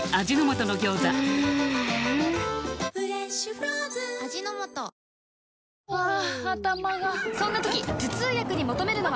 ハァ頭がそんな時頭痛薬に求めるのは？